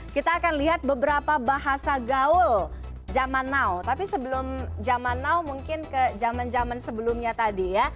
kita akan lihat beberapa bahasa gaul zaman now tapi sebelum zaman now mungkin ke zaman zaman sebelumnya tadi ya